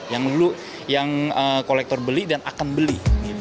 yang dulu yang kolektor beli dan akan beli